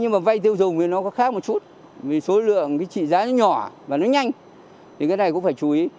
nhưng mà vay tiêu dùng thì nó có khá một chút vì số lượng cái trị giá nó nhỏ và nó nhanh thì cái này cũng phải chú ý